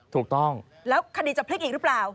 ถูกต้องแล้วคดีจะพลิกอีกหรือเปล่า